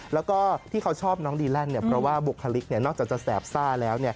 แล้วก็ที่เขาชอบน้องดีแลนด์เพราะว่าบุคลิกนอกจากจะแสบซ่าแล้ว